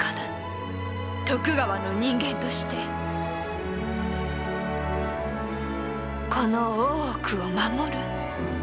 徳川の人間としてこの大奥を守る。